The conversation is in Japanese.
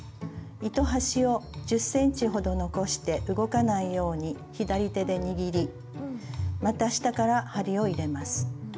糸端を１０ｃｍほど残して動かないように左手で握りまた下から針を入れます。